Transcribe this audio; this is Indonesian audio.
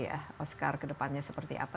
ya oskar kedepannya seperti apa